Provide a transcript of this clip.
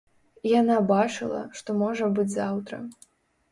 Яна бачыла, што можа быць заўтра.